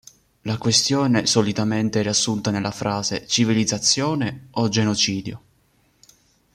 La questione, solitamente riassunta nella frase "Civilizzazione o genocidio?